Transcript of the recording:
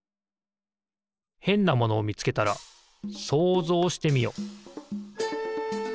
へんなものをみつけたら想像してみよ。